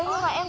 à dạ vâng